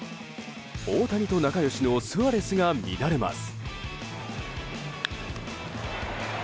大谷と仲良しのスアレスが乱れます。